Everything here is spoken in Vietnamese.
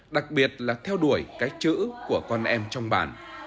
đặc biệt là theo đuổi cái chữ của con em trong bản